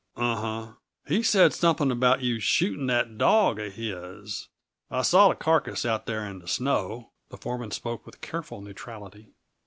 "Uh huh he said something about you shooting that dawg of his. I saw the carcass out there in the snow." The foreman spoke with careful neutrality.